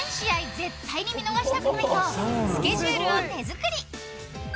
絶対に見逃したくないとスケジュールを手作り。